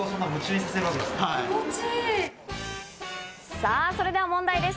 さぁ、それでは問題です。